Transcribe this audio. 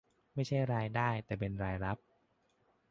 ไม่ใช่รายได้แต่เป็นรายรับ